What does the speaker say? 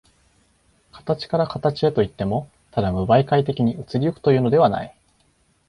形から形へといっても、ただ無媒介的に移り行くというのではない。